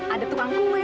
ada tuh angkuhnya